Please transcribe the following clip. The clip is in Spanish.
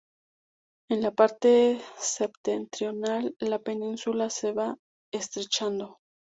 En la parte septentrional la península se va estrechando.